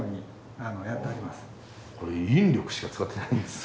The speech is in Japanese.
引力しか使ってないんですね。